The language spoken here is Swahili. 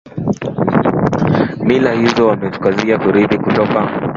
mila hizo wamezikuta na kuzirithi kutoka kwa babu zao